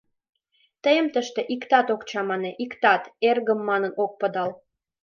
Тыйым тыште иктат ок чамане, иктат, «эргым» манын, ок пыдал.